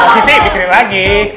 positif bikirin lagi